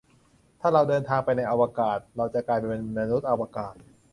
ถ้าเราเดินทางไปในอวกาศ เราจะกลายเป็นมนุษย์อวกาศ